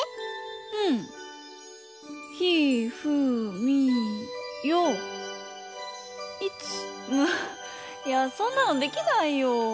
いよういついやそんなのできないよ。